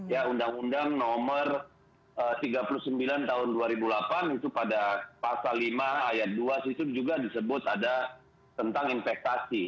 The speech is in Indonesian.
ya undang undang nomor tiga puluh sembilan tahun dua ribu delapan itu pada pasal lima ayat dua sisi juga disebut ada tentang investasi